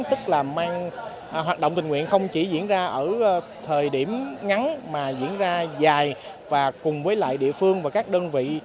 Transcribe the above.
tức là mang hoạt động tình nguyện không chỉ diễn ra ở thời điểm ngắn mà diễn ra dài và cùng với lại địa phương và các đơn vị